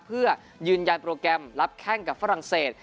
เพื่อยืนยันโปรแกรมรับแข้งกับฝรั่งเศส